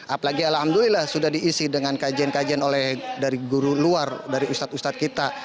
apalagi alhamdulillah sudah diisi dengan kajian kajian dari guru luar dari ustadz ustadz kita